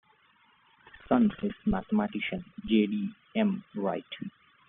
His son is mathematician J. D. M. Wright.